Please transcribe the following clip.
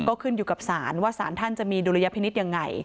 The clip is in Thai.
ก็ขึ้นอยู่กับศาลว่าสารท่านจะมีดุลยพินิษฐ์ยังไง